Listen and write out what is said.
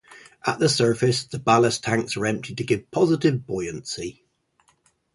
At the surface the ballast tanks are emptied to give positive buoyancy.